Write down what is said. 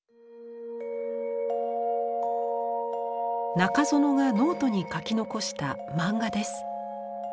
中園がノートに描き残したマンガです。